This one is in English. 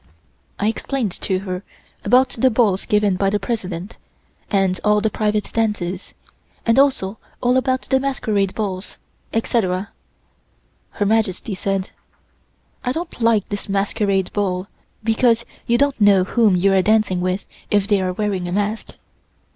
I explained to her about the balls given by the President, and all the private dances, and also all about the masquerade balls, etc. Her Majesty said: "I don't like this masquerade ball because you don't know whom you are dancing with if they are wearing a mask."